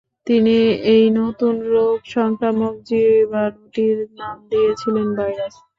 তিনি এই নতুন রোগ সংক্রামক জীবাণুটির নাম দিয়েছিলেন ভাইরাস।